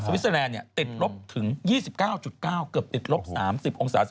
สวิสเซอร์แลนด์เนี่ยติดลบถึง๒๙๙เกือบติดลบ๓๐องศาเซลเซีย